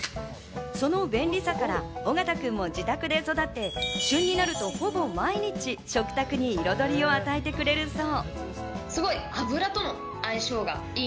その便利さから緒方君も自宅で育て、旬になると、ほぼ毎日食卓に彩りを与えてくれるそう。